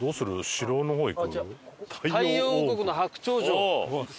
城の方行く？